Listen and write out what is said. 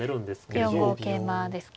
４五桂馬ですか。